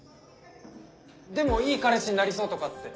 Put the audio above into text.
でも「いい彼氏になりそう」とかって。